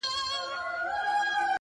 زه هم دعاوي هر ماښام كومه ـ